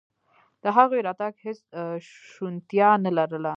د هغوی راتګ هېڅ شونتیا نه لرله.